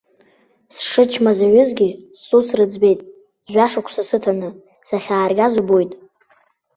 Сшычмазаҩызгьы сус рыӡбеит, жәашықәса сыҭаны, сахьааргаз убоит.